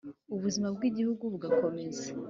ubuzima bw’igihugu bugakomeza